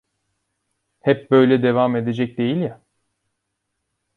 Hep böyle devam edecek değil ya.